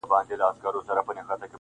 خو ذهنونه لا هم زخمي دي,